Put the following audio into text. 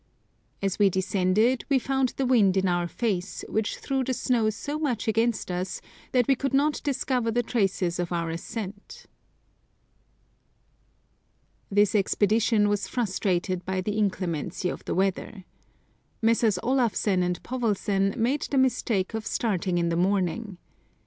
As we descended we found the wind in our face, which threw the snow so much against us that we could not discover the traces of our ascent." This expedition was frustrated by the inclemency of the weather. Messrs. Olafsen and Povelsen made the mistake of starting in the morning.